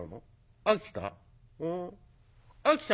秋田？